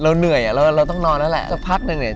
เราเหนื่อยอ่ะเราเราต้องนอนแล้วแหละจะพักหนึ่งเนี้ย